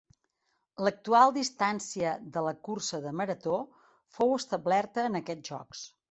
L'actual distància de la cursa de Marató fou establerta en aquests Jocs.